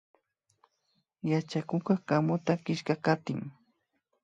Yachakukka kamuta killkakatin